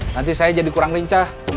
nanti saya jadi kurang lincah